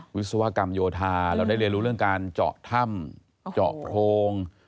วิศวกรรมโยธาเราได้เรียนรู้เรื่องการเจาะถ้ำเจาะโพรง